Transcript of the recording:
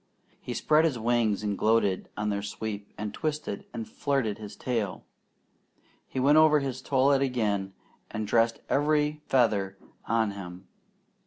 He spread his wings and gloated on their sweep, and twisted and flirted his tail. He went over his toilet again and dressed every feather on him.